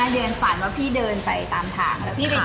๔๕เดือนฝันว่าพี่เดินไปตามทาง